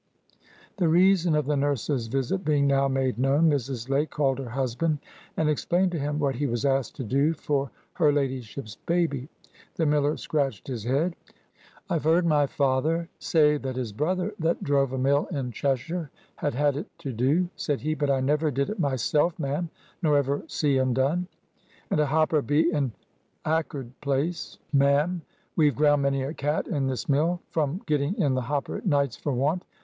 The reason of the nurse's visit being now made known, Mrs. Lake called her husband, and explained to him what he was asked to do for "her ladyship's baby." The miller scratched his head. "I've heard my father say that his brother that drove a mill in Cheshire had had it to do," said he, "but I never did it myself, ma'am, nor ever see un done. And a hopper be an ackerd place, ma'am. We've ground many a cat in this mill, from getting in the hopper at nights for warmth.